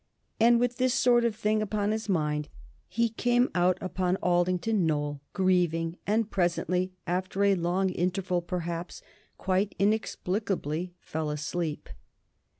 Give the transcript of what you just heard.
And with this sort of thing upon his mind he came out upon Aldington Knoll grieving, and presently, after a long interval, perhaps, quite inexplicably, fell asleep.